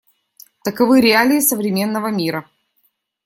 Таковы реалии современного мира.